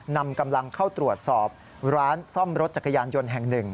นำกำลังเข้าตรวจสอบร้านซ่อมรถจักรยานยนต์แห่งหนึ่ง